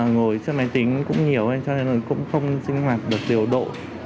ngồi trên máy tính cũng nhiều cho nên cũng không sinh hoạt được điều độ